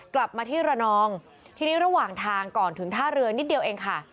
กลับมาที่ระนองทีนี้ระหว่างทางก่อนถึงท่าเรือนิดเดียวเองค่ะ